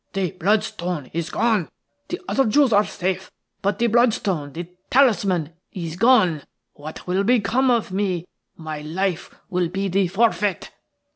"The bloodstone is gone! – the other jewels are safe, but the bloodstone, the talisman, is gone! What will become of me? My life will be the forfeit."